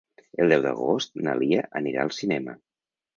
El deu d'agost na Lia anirà al cinema.